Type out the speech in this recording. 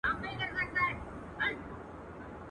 له پردي وطنه ځمه لټوم کور د خپلوانو.